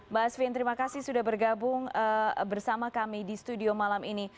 mbak asvin terima kasih sudah bergabung bersama kami di studio malam ini